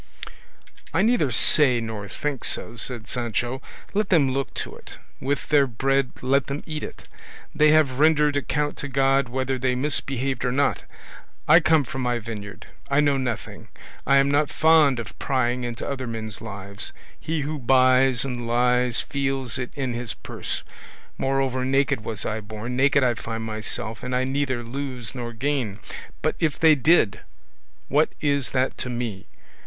"I neither say nor think so," said Sancho; "let them look to it; with their bread let them eat it; they have rendered account to God whether they misbehaved or not; I come from my vineyard, I know nothing; I am not fond of prying into other men's lives; he who buys and lies feels it in his purse; moreover, naked was I born, naked I find myself, I neither lose nor gain; but if they did, what is that to me?